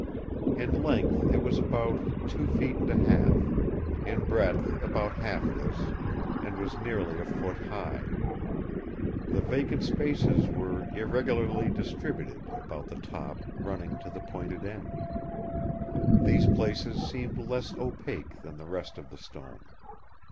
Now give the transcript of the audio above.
In length it was about two feet and a half; in breadth about half this, and was nearly a foot high. The vacant spaces were irregularly distributed about the top running to the pointed end. These places seemed less opaque than the rest of the stone.